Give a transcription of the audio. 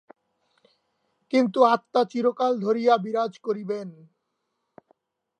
কিন্তু আত্মা চিরকাল ধরিয়া বিরাজ করিবেন।